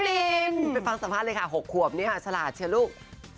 ลินไปฟังสัมภาษณ์เลยค่ะ๖ขวบเนี่ยฉลาดเชียวลูก